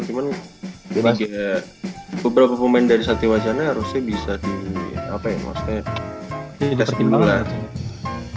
cuman beberapa pemain dari satya wacana harusnya bisa di apa ya maksudnya tidak skim dulu lah